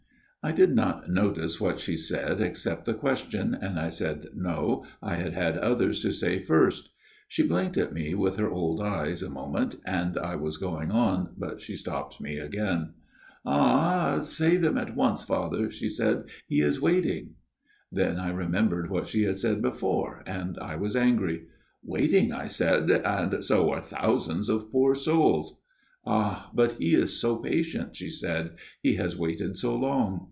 *" I did not notice what she said, except the question, and I said No, I had had others to say first. She blinked at me with her old eyes a moment, and I was going on, but she stopped me again. 142 A MIRROR OF SHALOTT "' Ah ! Say them at once, Father,' she said ;' he is waiting.' " Then I remembered what she had said before, and I was angry. "* Waiting !' I said ;* and so are thousands of poor souls.' "* Ah, but he is so patient,' she said ;' he has waited so long.'